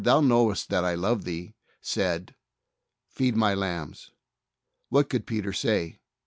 Thou knowest that I love Thee," said,. "Feed My lambs," what could Peter say?